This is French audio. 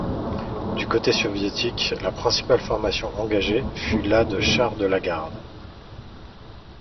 Du côté soviétique la principale formation engagée fut la de chars de la Garde.